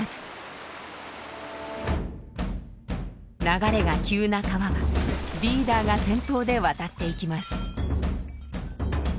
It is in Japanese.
流れが急な川はリーダーが先頭で渡っていきます。